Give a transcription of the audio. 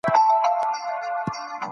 پرتګال لومړنی اروپایي هېواد بلل کيږي.